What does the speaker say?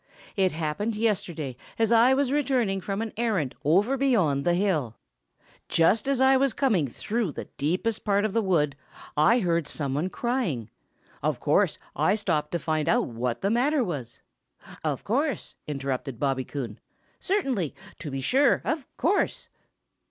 "It happened yesterday as I was returning from an errand over beyond the hill. Just as I was coming through the deepest part of the wood I heard some one crying. Of course I stopped to find out what the matter was." "Of course!" interrupted Bobby Coon. "Certainly! To be sure! Of course!"